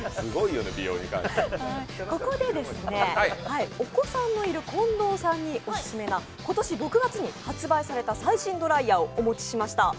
ここでお子さんのいる近藤さんにおすすめな今年６月に発売された最新ドライヤーをお持ちしました。